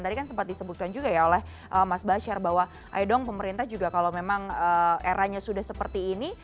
tadi kan sempat disebutkan juga ya oleh mas basyar bahwa ayo dong pemerintah juga kalau memang eranya sudah seperti ini